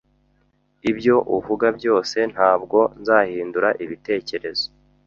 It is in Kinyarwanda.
Ibyo uvuga byose, ntabwo nzahindura ibitekerezo